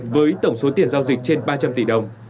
với tổng số tiền giao dịch trên ba trăm linh tỷ đồng